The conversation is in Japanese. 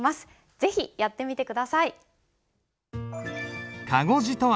是非やってみて下さい。